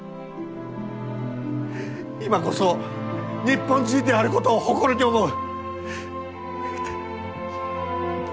今こそ日本人であることを誇りに思う！